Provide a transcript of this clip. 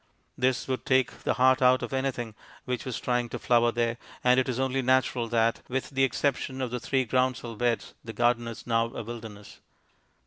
This would take the heart out of anything which was trying to flower there, and it is only natural that, with the exception of the three groundsel beds, the garden is now a wilderness.